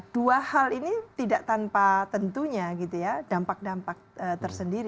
dua hal ini tidak tanpa tentunya dampak dampak tersendiri